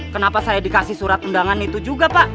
kenapa saya dikasih surat undangan itu juga pak